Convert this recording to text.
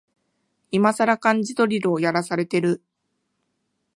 いまさら漢字ドリルをやらされてる